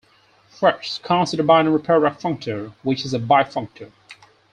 First, consider binary product functor, which is a bifunctor.